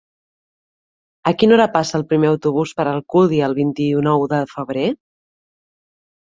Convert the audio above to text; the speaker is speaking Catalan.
A quina hora passa el primer autobús per Alcúdia el vint-i-nou de febrer?